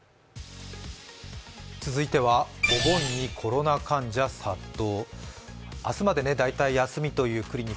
続いては、お盆にコロナ患者殺到。